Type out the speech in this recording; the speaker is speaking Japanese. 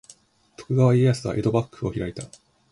徳川家康は江戸幕府を開いた。